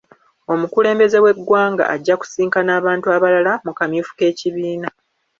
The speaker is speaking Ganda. Omukulembeze w'eggwanga ajja kusisinkana abantu abalala mu kamyufu k'ekibiina.